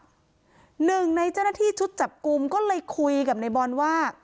หนึ่งในเจ้าหน้าที่ชุดจับกลุ่มก็เลยคุยกับในบอลว่า